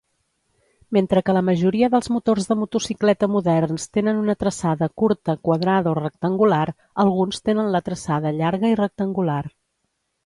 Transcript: Mentre que la majoria dels motors de motocicleta moderns tenen una traçada curta quadrada o rectangular, alguns tenen la traçada llarga i rectangular.